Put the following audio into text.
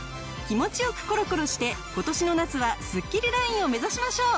気持ち良くコロコロして今年の夏はスッキリラインを目指しましょう！